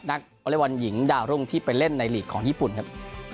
วอเล็กบอลหญิงดาวรุ่งที่ไปเล่นในหลีกของญี่ปุ่นครับ